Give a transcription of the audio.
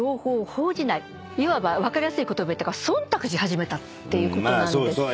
いわば分かりやすい言葉で忖度し始めたってことなんですよ。